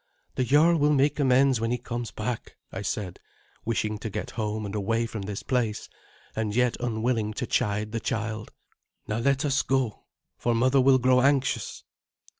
"The jarl will make amends when he comes back," I said, wishing to get home and away from this place, and yet unwilling to chide the child. "Now let us go, for mother will grow anxious."